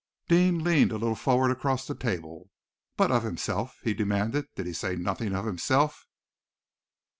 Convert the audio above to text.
Deane leaned a little forward across the table. "But of himself?" he demanded. "Did he say nothing of himself?"